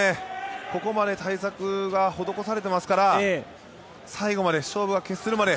ここまで対策は施されていますから最後まで勝負が決するまで